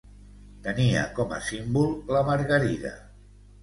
Tenia com a símbol la Margarida.